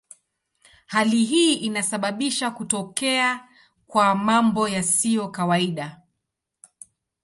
Hali hii inasababisha kutokea kwa mambo yasiyo kawaida.